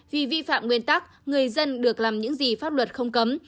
vì vi phạm nguyên tắc người dân được làm những gì pháp luật không cấm